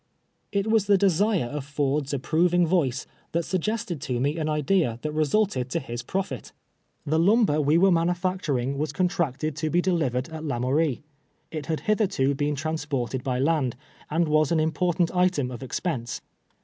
It was the desire of Ford's ajiproving voice that suggested to me an idea that resulted to his profit. Tlie lund)cr we were manufacturing was contracted to be delivered at Lamourie. It had hitherto been transported by land, and was an im])ortant item of expense.